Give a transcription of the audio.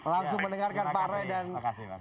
langsung mendengarkan pak roy dan bu alex